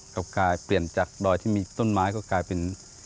กินออกไปเปลี่ยนจากดอยจะไม่ต้นไม้ก็ได้เป็น